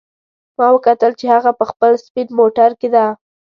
ما وکتل چې هغه په خپل سپین موټر کې ده